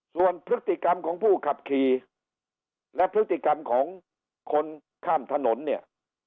ส่วนพฤติกรรมของผู้ขับขี่และพฤติกรรมของคนข้ามถนนเนี่ย